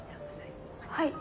はい。